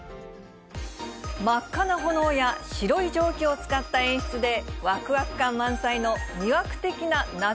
真っ赤な炎や白い蒸気を使った演出でわくわく感満載の魅惑的な夏